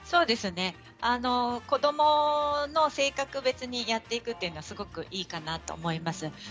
子どもの性格別にやっていくというのはすごくいいかなと思います。